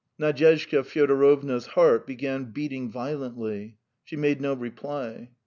Nadyezhda Fyodorovna's heart began beating violently. She made no reply.